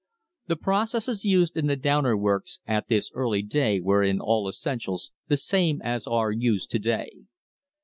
The processes used in the Downer works at this early day were in all essentials the same as are used to day.